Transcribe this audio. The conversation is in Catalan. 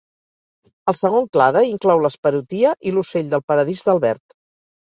El segon clade inclou les Parotia i l'ocell del paradís d'Albert.